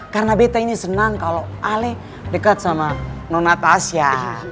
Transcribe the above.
karena beta ini senang kalau ale dekat sama noh natasya